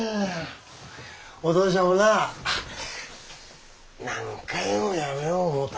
お父ちゃんもな何回もやめよう思うた。